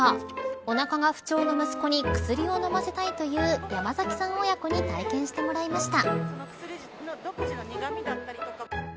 おなかが不調の息子に薬を飲ませたいという山崎さん親子に体験してもらいました。